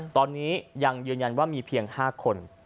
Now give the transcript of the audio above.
ตอนนี้ยังยืนยันว่ามีเพียง๕คน